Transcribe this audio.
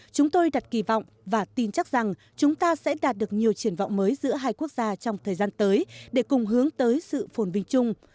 chúng tôi đặt kỳ vọng và tin chắc rằng chúng ta sẽ đạt được nhiều triển vọng mới giữa hai quốc gia trong thời gian tới để cùng hướng tới sự phồn vinh chung